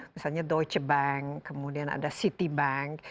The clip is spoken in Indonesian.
misalnya deutsche bank kemudian ada citibank